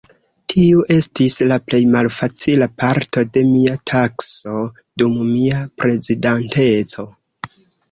Tiu estis la plej malfacila parto de mia tasko dum mia prezidanteco.